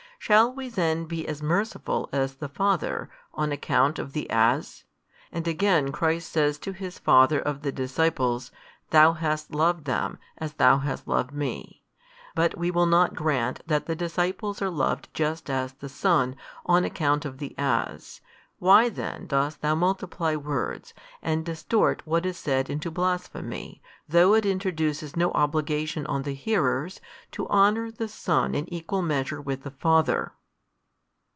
Shall we then be as merciful as the Father, on account of the as? And again Christ says to His Father of His disciples: Thou hast loved them, AS Thou hast loved Me. But we will not grant that the disciples are loved just as the Son, on account of the as. Why then dost thou multiply words, and distort what is said into blasphemy, though it introduces no obligation on the hearers to honour the Son in equal measure with the Father?"